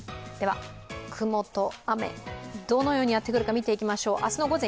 雲と雨、どのようにやってくるか見てみましょう。